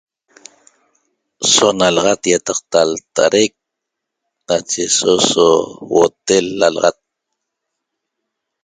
So nalaxat ýataqta lta'adaic nacheso so huotel lalaxat